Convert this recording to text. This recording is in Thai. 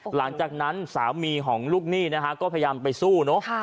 หลังจากนั้นสามีของลูกหนี้นะฮะก็พยายามไปสู้เนอะ